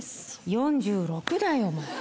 ４６だよお前。